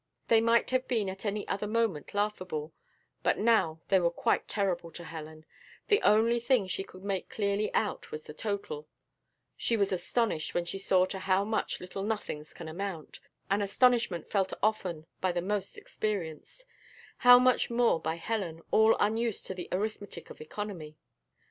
They might have been at any other moment laughable, but now they were quite terrible to Helen; the only thing she could make clearly out was the total; she was astonished when she saw to how much little nothings can amount, an astonishment felt often by the most experienced how much more by Helen, all unused to the arithmetic of economy!